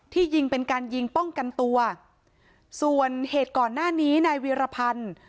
ยิงเป็นการยิงป้องกันตัวส่วนเหตุก่อนหน้านี้นายวีรพันธ์